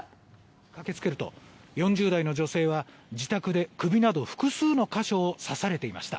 駆けつけると４０代の女性は自宅で首など複数の箇所を刺されていました。